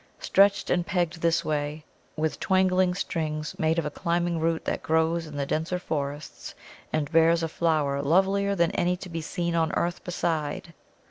Stretched and pegged this was, with twangling strings made of a climbing root that grows in the denser forests, and bears a flower lovelier than any to be seen on earth beside.